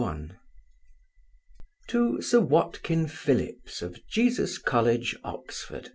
To Sir WATKIN PHILLIPS, of Jesus college, Oxon.